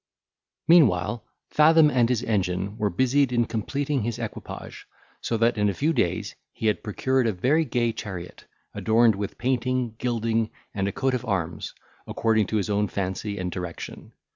Meanwhile, Fathom and his engine were busied in completing his equipage, so that in a few days he had procured a very gay chariot, adorned with painting, gilding, and a coat of arms, according to his own fancy and direction.